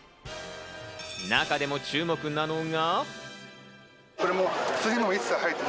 中でも注目なのが。